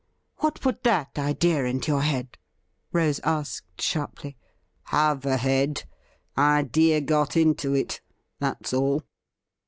' What put that idea into your head ?' Rose asked sharply. ' Have a head — idea got into it — that's all.'